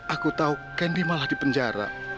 aku tahu candy malah di penjara